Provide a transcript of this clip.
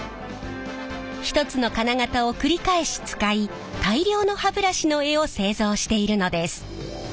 １つの金型を繰り返し使い大量の歯ブラシの柄を製造しているのです。